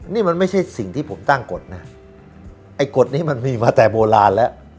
นี่มันไม่ใช่สิ่งที่ผมตั้งกฎนะไอ้กฎนี้มันมีมาแต่โบราณแล้ว